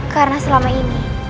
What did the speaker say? karena selama ini